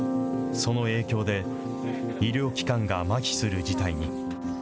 その影響で、医療機関がまひする事態に。